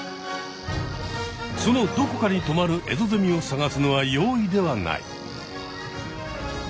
そのどこかにとまるエゾゼミを探すのは容易ではない。